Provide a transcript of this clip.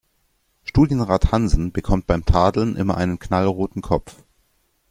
Studienrat Hansen bekommt beim Tadeln immer einen knallroten Kopf.